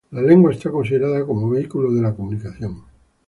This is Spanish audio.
La lengua es considerada como vehículo de la comunicación.